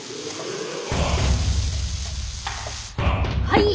はい！